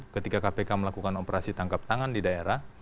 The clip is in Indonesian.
ketika kpk melakukan operasi tangkap tangan di daerah